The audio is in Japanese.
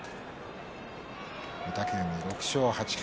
御嶽海、６勝８敗。